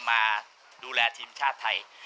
มาดูแลทีมชาติไทย